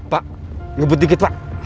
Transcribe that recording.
pak ngebut dikit pak